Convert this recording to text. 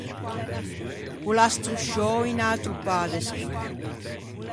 O l’à strosciou un atro pâ de scarpe.